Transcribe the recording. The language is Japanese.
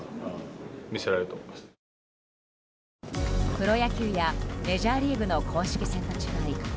プロ野球やメジャーリーグの公式戦と違い